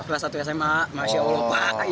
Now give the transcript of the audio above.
kelas satu sma masya allah pak